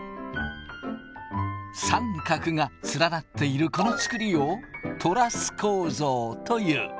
三角が連なっているこのつくりをトラス構造という。